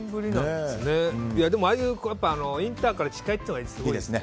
でも、ああいうインターから近いというのがすごいいいですね。